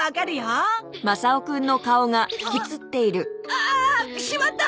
ああしまった！